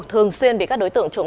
thường xuyên bị các đối tượng trộm